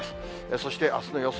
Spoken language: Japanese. そしてあすの予想